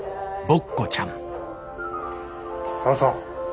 ボッコちゃん。